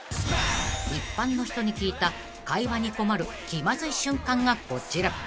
［一般の人に聞いた会話に困る気まずい瞬間がこちら］